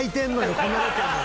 このロケに。